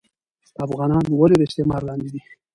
افغانان ولي د استعمار لاندي دي